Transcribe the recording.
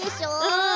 うん。